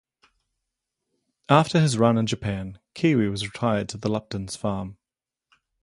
After his run in Japan, Kiwi was retired to the Luptons' farm.